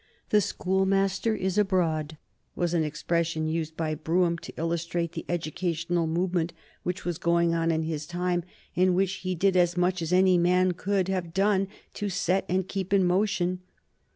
"The schoolmaster is abroad" was an expression used by Brougham to illustrate the educational movement which was going on in his time, and which he did as much as any man could have done to set and to keep in motion.